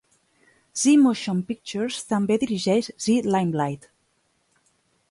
Zee Motion Pictures també dirigeix Zee Limelight.